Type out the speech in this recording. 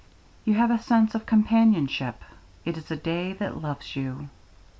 You have a sense of companionship; it is a day that loves you.